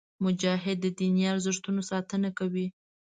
مجاهد د دیني ارزښتونو ساتنه کوي.